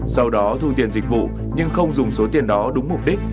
sau đó thu tiền dịch vụ nhưng không dùng số tiền đó đúng mục đích